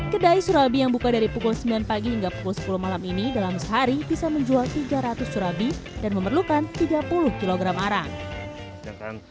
kedai surabi yang buka dari pukul sembilan pagi hingga pukul sepuluh malam ini dalam sehari bisa menjual tiga ratus surabi dan memerlukan tiga puluh kg arang